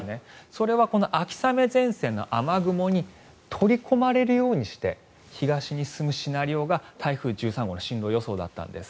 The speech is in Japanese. それは、この秋雨前線の雨雲に取り込まれるようにして東に進むシナリオが台風１３号の進路予想だったんです。